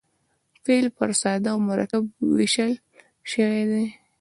فعل پر ساده او مرکب وېشل سوی دئ.